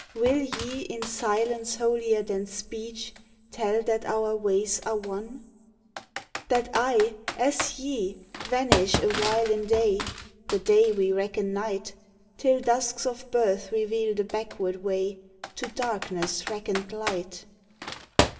Will ye, in silence holier than speech, Tell that our ways are one*? — That I, as ye, vanish awhile in day (The day we reckon night), Till dusks of birth reveal the backward way To darkness reckoned light?